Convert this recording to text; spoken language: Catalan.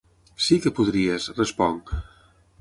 Sí, que podries —responc—.